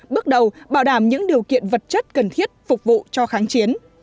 bước đầu bảo đảm những điều kiện vật chất cần thiết phục vụ cho kháng chiến